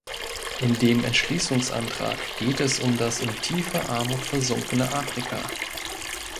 In dem Entschließungsantrag geht es um das in tiefe Armut versunkene Afrika.